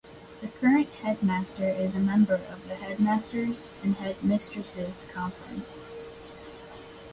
The current head master is a member of the Headmasters' and Headmistresses' Conference.